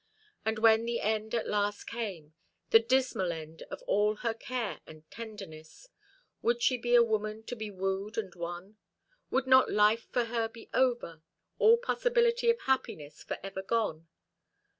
And when the end at last came the dismal end of all her care and tenderness would she be a woman to be wooed and won? Would not life for her be over, all possibility of happiness for ever gone?